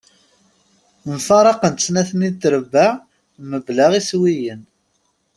Mfaraqent snat-nni n trebbaɛ mebla iswiyen.